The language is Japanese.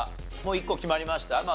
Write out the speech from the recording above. もう１個決まりました？